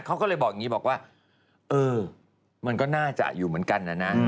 เขาก็เลยบอกอย่างนี้บอกว่าเออมันก็น่าจะอยู่เหมือนกันนะนะ